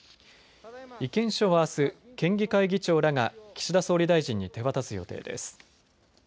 意見書はあす、県議会議長らが岸田総理大臣に手渡す予定です。